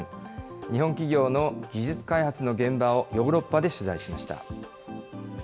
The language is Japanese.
日本企業の技術開発の現場をヨーロッパで取材しました。